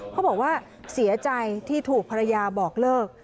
เขาบอกว่าเสียใจที่ถูกภรรยาบอกเลิก